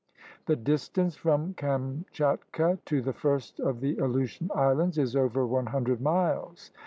The distance from Kamchatka to the first of the Aleutian Islands is over one hundred miles.